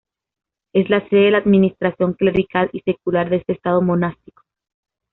Es la sede de la administración clerical y secular de este estado monástico.